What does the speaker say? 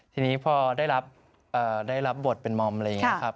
ทีนี้พอได้รับบทเป็นมอมอะไรอย่างนี้ครับ